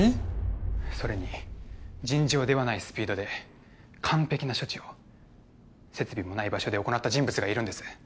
それに尋常ではないスピードで完璧な処置を設備もない場所で行った人物がいるんです